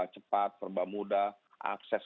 cepat serba mudah akses